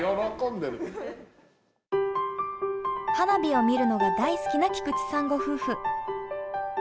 花火を見るのが大好きな菊池さんご夫婦。